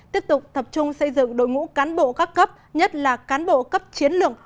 tiếp tục tập trung xây dựng đội ngũ cán bộ các cấp nhất là cán bộ cấp chiến lượng